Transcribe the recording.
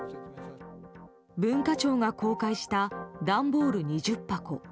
文化庁が公開した段ボール２０箱。